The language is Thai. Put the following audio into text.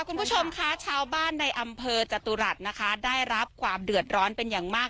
คุณผู้ชมคะชาวบ้านในอำเภอจตุรัสนะคะได้รับความเดือดร้อนเป็นอย่างมาก